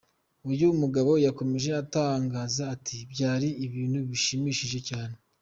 Uyu mugabo yakomeje atangaza ati ’Byari ibintu bishimishije cyane.